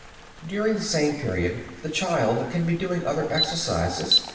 ] During the same period the child can be doing other exercises.